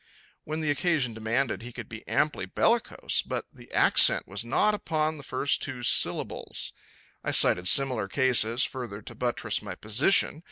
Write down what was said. When the occasion demanded he could be amply bellicose, but the accent was not upon the first two syllables. I cited similar cases further to buttress my position.